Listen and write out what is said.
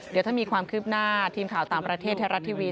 เดี๋ยวถ้ามีความคืบหน้าทีมข่าวต่างประเทศไทยรัฐทีวี